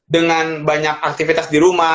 dengan banyak aktivitas di rumah